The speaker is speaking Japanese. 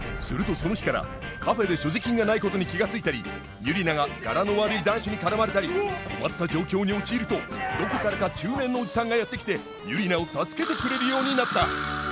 するとその日からカフェで所持金がないことに気が付いたりユリナがガラの悪い男子に絡まれたり困った状況に陥るとどこからか中年のおじさんがやって来てユリナを助けてくれるようになった！